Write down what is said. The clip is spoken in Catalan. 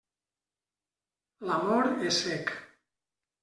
L'amor és cec.